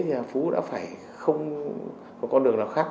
thì phú đã phải không một con đường nào khác